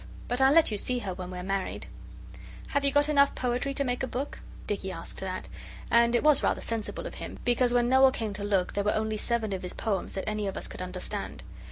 But I'll let you see her when we're married.' 'Have you got enough poetry to make a book?' Dicky asked that, and it was rather sensible of him, because when Noel came to look there were only seven of his poems that any of us could understand.